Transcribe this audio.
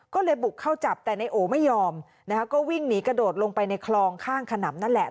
ก็เลยบุกเข้าจับแต่นายโอไม่ยอมนะคะก็วิ่งหนีกระโดดลงไปในคลองข้างขนำนั่นแหละ